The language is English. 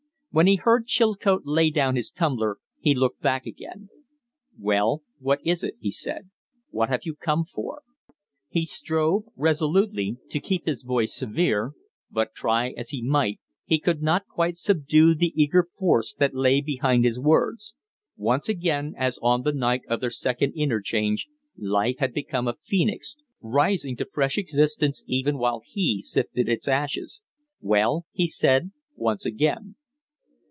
When he heard Chilcote lay down his tumbler he looked back again. "Well, what is it?" he said. "What have you come for?" He strove resolutely to keep his voice severe, but, try as he might, he could not quite subdue the eager force that lay behind his words. Once again, as on the night of their second interchange, life had become a phoenix, rising to fresh existence even while he sifted its ashes. "Well?" he said, once again.